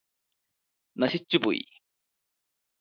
നശിച്ചു പോയി